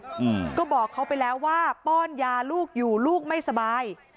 อืมก็บอกเขาไปแล้วว่าป้อนยาลูกอยู่ลูกไม่สบาย